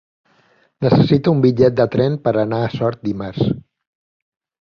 Necessito un bitllet de tren per anar a Sort dimarts.